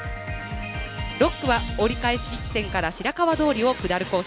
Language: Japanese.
６区は折り返し地点から白川通を下るコース。